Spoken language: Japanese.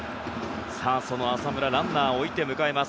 その浅村ランナーを置いて迎えます。